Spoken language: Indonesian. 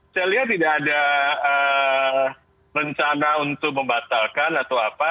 saya lihat tidak ada rencana untuk membatalkan atau apa